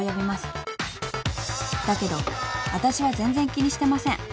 ［だけどわたしは全然気にしてません］